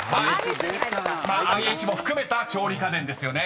［「ＩＨ」も含めた「調理家電」ですよね］